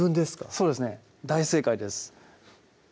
そうですね大正解です